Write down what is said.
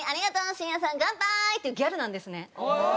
「シンヤさん乾杯！」っていうギャルなんですね。